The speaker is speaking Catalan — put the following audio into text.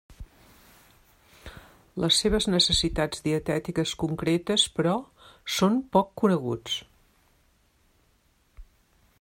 Les seves necessitats dietètiques concretes però, són poc coneguts.